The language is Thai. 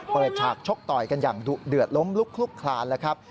เปิดฉากชกต่อยกันอย่างเดือดล้มลุกคลุกคลานนะครับ